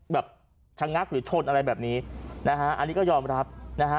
แบบชะงักหรือชนอะไรแบบนี้นะฮะอันนี้ก็ยอมรับนะฮะ